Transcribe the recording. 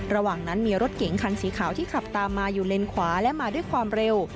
ระหว่างนั้นมีรถเก๋งคันสีขาวที่ขับตามมาอยู่เลนขวาและมาด้วยความเร็ว